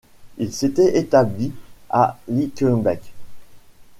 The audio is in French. Il s'était établi à Linkebeek.